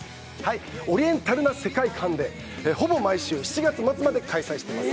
オリエンタルな世界感、ほぼ毎週７月末まで開催しています。